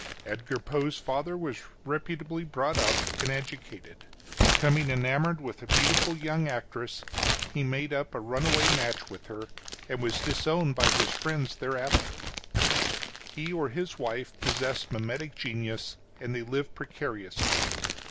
Edgar Poe's father was reputably brought up and educated. — Becoming enamored with a beautiful young actress, he made up a runaway match with her, and was disowned by his friends thereafter. He or his wife possessed mimetic genius, and they lived precariously.